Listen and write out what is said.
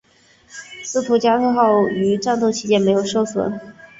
斯图加特号于战斗期间没有受损。